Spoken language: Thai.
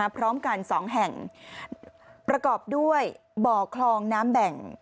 พร้อมกัน๒แห่งประกอบด้วยบ่อคลองน้ำแบ่ง